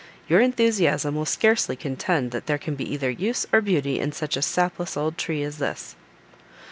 Your enthusiasm will scarcely contend that there can be either use, or beauty, in such a sapless old tree as this."